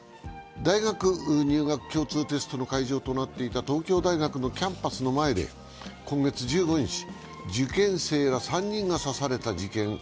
大学入学共通テストの会場となっていた東京大学のキャンパスの前で今月１５日受験生ら３人が刺された事件。